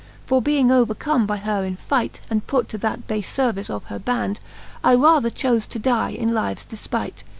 For being overcome by her in light, And put to that bafe fervice of her band, I rather chofe to die in lives defpight.